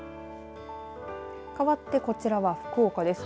かわって、こちらは福岡です。